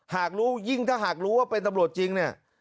หากรู้ยิ่งถ้าหากรู้ว่าเป็นตำรวจจริงเนี่ย